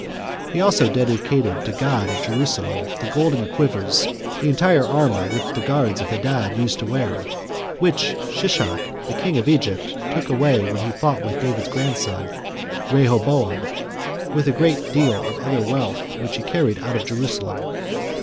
He also dedicated to God at Jerusalem the golden quivers, the entire armor which the guards of Hadad used to wear; which Shishak, the king of Egypt, took away when he fought with David's grandson, Rehoboam, with a great deal of other wealth which he carried out of Jerusalem.